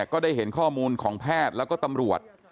ก็ได้เห็นข้อมูลของแพทย์แล้วก็ตำรวจ